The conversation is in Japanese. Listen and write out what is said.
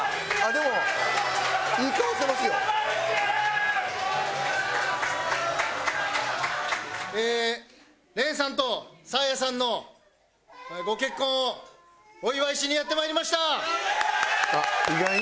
れんさんとさあやさんのご結婚をお祝いしにやってまいりました。